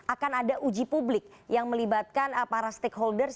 akan ada uji publik yang melibatkan para stakeholders